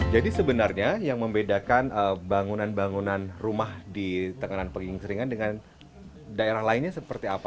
jadi sebenarnya yang membedakan bangunan bangunan rumah di tengganan peking seringan dengan daerah lainnya seperti apa pak